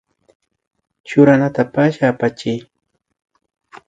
Churanata pallay apachiy